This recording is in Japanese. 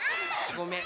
ごめん。